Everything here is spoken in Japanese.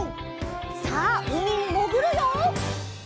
さあうみにもぐるよ！